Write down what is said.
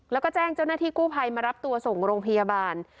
แล้วก็แจ้งเจ้าหน้าที่กู้ภัยมารับตัวส่งโรงพยาบาล